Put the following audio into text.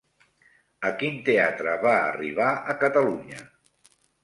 A quin teatre va arribar a Catalunya?